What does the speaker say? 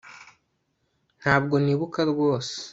Ntabwo nibuka rwose